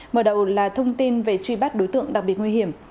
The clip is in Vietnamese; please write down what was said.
mở đầu là thông tin về truy bắt đối tượng đặc biệt nguy hiểm